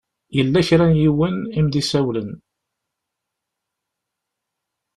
Yella kra n yiwen i m-d-isawlen.